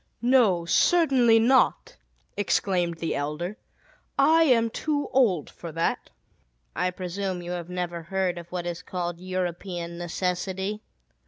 "No, certainly not!" exclaimed the elder. "I am too old for that." "I presume you have never heard of what is called 'European necessity?'"